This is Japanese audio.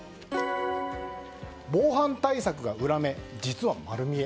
防犯対策が裏目、実は丸見え。